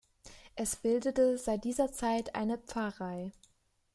Es bildete seit dieser Zeit eine Pfarrei.